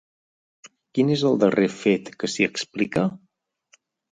Quin és el darrer fet que s'hi explica?